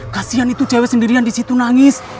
kasian itu cewek sendirian disitu nangis